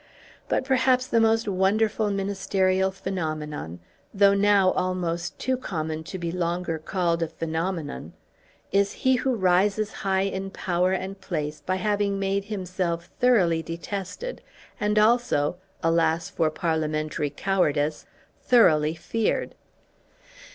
But perhaps the most wonderful ministerial phenomenon, though now almost too common to be longer called a phenomenon, is he who rises high in power and place by having made himself thoroughly detested and also, alas for parliamentary cowardice! thoroughly feared.